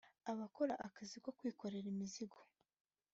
Abakora akazi ko kwikorera imizigo